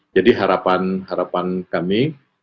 jadi harapan kami